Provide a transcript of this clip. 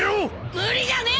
無理じゃねえ！